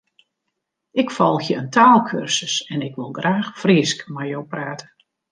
Ik folgje in taalkursus en ik wol graach Frysk mei jo prate.